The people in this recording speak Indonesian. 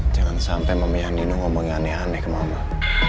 jangan sampai mamahnya nino ngomongnya aneh aneh ke mamah